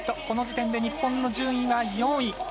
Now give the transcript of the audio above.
この時点で日本の順位は４位。